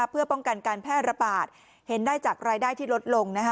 เพื่อป้องกันการแพร่ระบาดเห็นได้จากรายได้ที่ลดลง